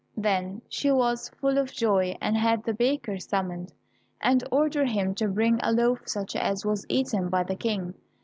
Then she was full of joy and had the baker summoned, and ordered him to bring a loaf such as was eaten by the King.